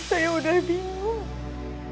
saya udah bingung